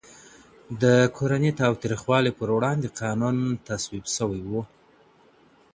د کورني تاوتریخوالي پر وړاندي قانون تصویب سوی و.